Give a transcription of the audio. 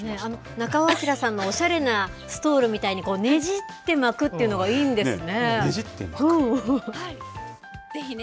中尾彬さんのおしゃれなストールみたいに、ねじって巻くというのがいいんですね。